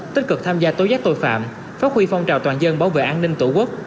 tích cực tham gia tối giác tội phạm phát huy phong trào toàn dân bảo vệ an ninh tổ quốc